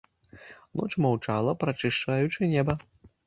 Ноч маўчала, прачышчаючы неба.